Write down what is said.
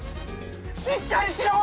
しっかりしろ！